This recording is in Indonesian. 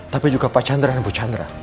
tapi juga pak chandra dan bu chandra